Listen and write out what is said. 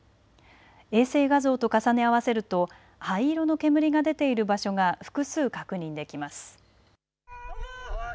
衛星画像と重ね合わせると灰色の煙が出ている場所が複数確認できます。